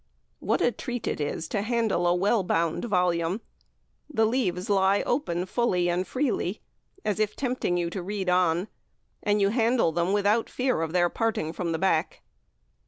What a treat it is to handle a well bound volume; the leaves lie open fully and freely, as if tempting you to read on, and you handle them without fear of their parting from the back.